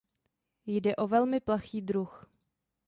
Jde o velmi plachý druh.